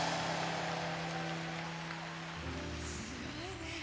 すごいね。